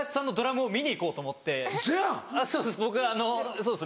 そうです